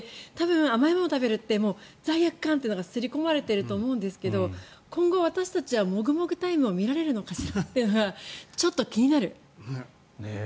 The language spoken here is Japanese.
甘いものを食べるのって罪悪感が刷り込まれていると思うんですが今後私たちはもぐもぐタイムを見られるのかしらっていうのがちょっと気になる。